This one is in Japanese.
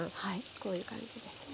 こういう感じですね。